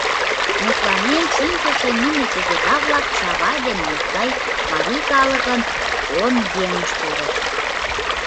Мутланен шинчыше нине кугыза-влак — Чавай ден Мустай — марий калыкын он еҥышт улыт.